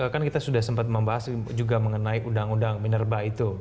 kan kita sudah sempat membahas juga mengenai undang undang minerba itu